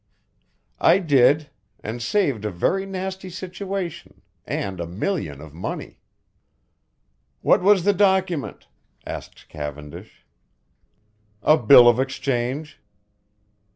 "I did and saved a very nasty situation, and a million of money." "What was the document?" asked Cavendish. "A bill of exchange."